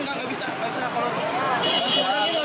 nggak bisa kalau